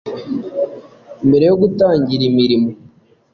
Mbere yo gutangira imirimo